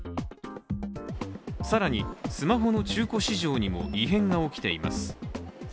更にスマホの中古市場にも異変が起きています